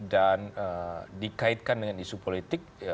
dan dikaitkan dengan isu politik